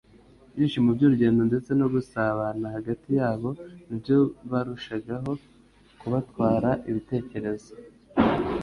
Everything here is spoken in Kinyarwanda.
ibyishimo by'urugendo ndetse no gusabana hagati yabo nibyo barushagaho kubatwara ibitekerezo